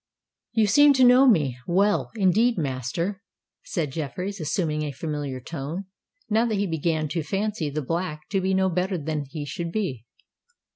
"You seem to know me well, indeed, master," said Jeffreys, assuming a familiar tone, now that he began to fancy the Black to be no better than he should be.